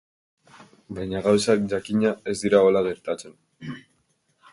Baina gauzak, jakina, ez dira hola gertatzen.